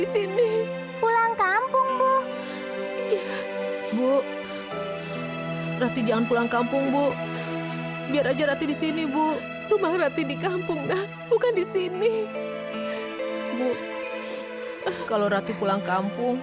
sampai jumpa di video selanjutnya